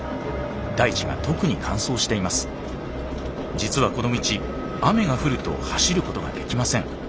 実はこの道雨が降ると走ることができません。